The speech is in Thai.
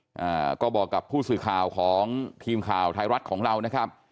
อ่าก็บอกกับผู้สื่อข่าวของทีมข่าวไทยรัฐของเรานะครับ